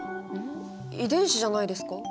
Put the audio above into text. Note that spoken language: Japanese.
遺伝子じゃないですか？